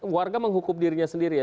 warga menghukum dirinya sendiri ya